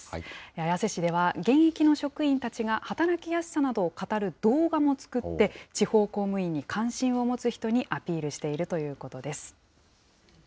綾瀬市では現役の職員たちが働きやすさなどを語る動画も作って、地方公務員に関心を持つ人にアピールしているということです。